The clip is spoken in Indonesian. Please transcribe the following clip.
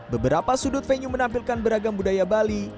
beberapa sudut venue menampilkan beragam budaya bali